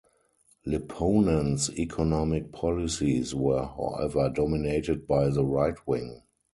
Lipponen's economic policies were, however, dominated by the right-wing.